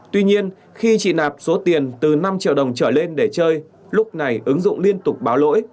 tuy nhiên khi chị nạp số tiền từ năm triệu đồng trở lên để chơi lúc này ứng dụng liên tục báo lỗi